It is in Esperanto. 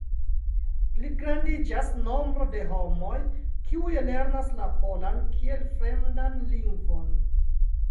Pligrandiĝas nombro de homoj, kiuj lernas la polan kiel fremdan lingvon.